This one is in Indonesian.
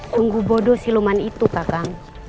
sungguh bodoh siluman itu kakang